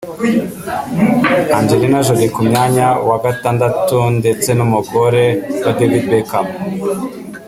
Angelina Jolie ku myanya wa gatandatu ndetse n’umugore wa David Beckham